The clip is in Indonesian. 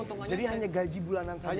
oke jadi hanya gaji bulanan sampai saat ini ya